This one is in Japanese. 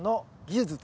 技術。